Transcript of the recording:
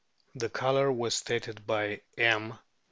The colour was stated by M.